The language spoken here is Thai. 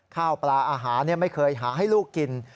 ข้าวปลาอาหารไม่เคยหาให้ลูกกิน